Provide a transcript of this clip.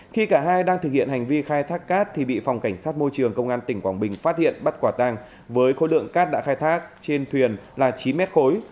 khi cả hai đang thực hiện hành vi khai thác cát thì bị phòng cảnh sát môi trường công an tỉnh quảng bình phát hiện bắt quả tang với khối lượng cát đã khai thác trên thuyền là chín mét khối